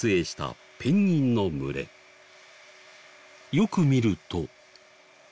よく見ると。